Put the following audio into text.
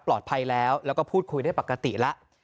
ปลอดภัยแล้วแล้วก็พูดคุยได้ปกติแล้ว